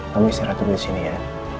kamu bisa ratu di sini ya